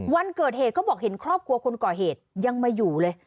วันเกิดเหตุเขาบอกเห็นครอบครัวคนก่อเหตุยังมาอยู่เลย